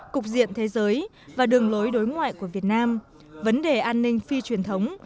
cục diện thế giới và đường lối đối ngoại của việt nam vấn đề an ninh phi truyền thống